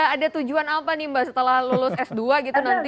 ada tujuan apa nih mbak setelah lulus s dua gitu nanti